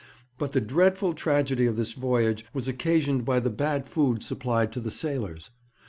But the dreadful tragedy of this voyage was occasioned by the bad food supplied to the sailors.